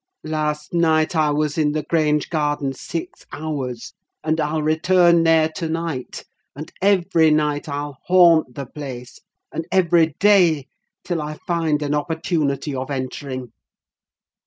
Last night I was in the Grange garden six hours, and I'll return there to night; and every night I'll haunt the place, and every day, till I find an opportunity of entering.